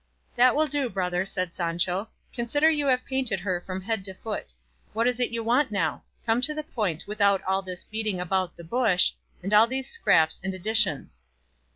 "That will do, brother," said Sancho; "consider you have painted her from head to foot; what is it you want now? Come to the point without all this beating about the bush, and all these scraps and additions."